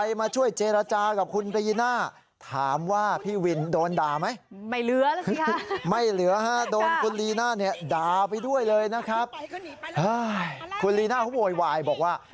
ตำรวจก่อนล่างดีนะครับ